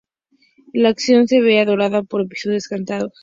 La acción se ve adornada por episodios cantados.